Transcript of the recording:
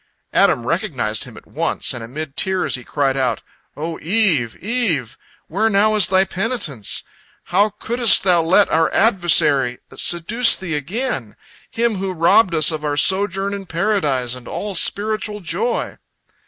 Adam recognized him at once, and amid tears he cried out: "O Eve, Eve, where now is thy penitence? How couldst thou let our adversary seduce thee again—him who robbed us of our sojourn in Paradise and all spiritual joy?"